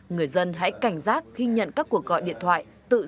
người dân hãy cảnh giác khi nhận các cuộc gọi điện thoại